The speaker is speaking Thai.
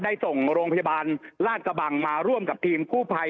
ได้ส่งโรงพยาบาลราชกระบังมาร่วมกับทีมกู้ภัย